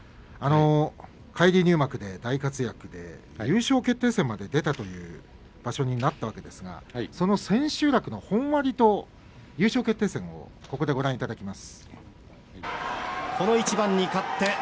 返り入幕で大活躍で優勝決定戦まで出たという場所になったわけですがその千秋楽の本割と優勝決定戦をここでご覧いただきます。